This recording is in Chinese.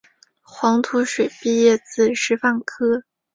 黄土水毕业自师范科